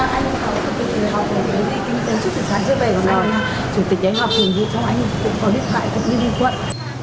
chủ tịch anh học hồn dị trong anh cũng có điện thoại cũng như đi quận